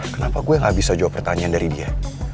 kenapa gue gak bisa jawab pertanyaan dari dia